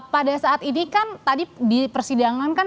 pada saat ini kan tadi di persidangan kan